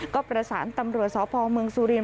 ก็ประสานตำรวจสพเมืองสุรินท